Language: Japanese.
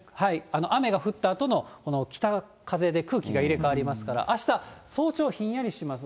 雨が降ったあとの北風で空気が入れ代わりますから、あした、早朝、ひんやりします。